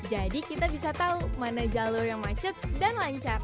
jadi kita bisa tahu mana jalur yang macet dan lancar